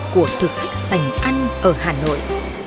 của thực khách sành ăn ở hà nội